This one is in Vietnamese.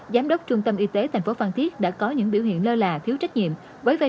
giám đốc trung tâm y tế thành phố phan thiết đã có những biểu hiện lơ là thiếu trách nhiệm